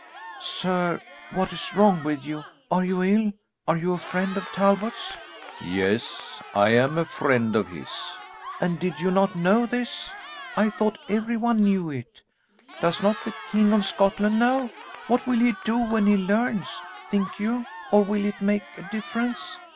"Sir, what is wrong with you? Are you ill? Are you a friend of Talbot's?" "Yes, I am a friend of his." "And did you not know this? I thought every one knew it. Does not the King of Scotland know? What will he do when he learns, think you, or will it make a difference?"